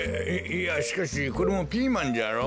いやしかしこれもピーマンじゃろ？